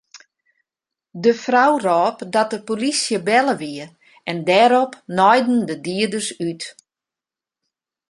De frou rôp dat de polysje belle wie en dêrop naaiden de dieders út.